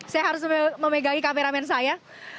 saya harus memegangi kameramen saya